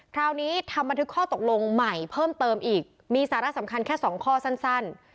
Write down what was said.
คราวนี้ทำบันทึกข้อตกลงใหม่เพิ่มเติมอีกมีสาระสำคัญแค่สองข้อสั้น